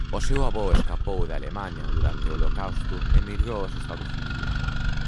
O seu avó escapou de Alemaña durante o holocausto e emigrou aos Estados Unidos.